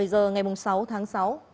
một mươi h ngày sáu tháng sáu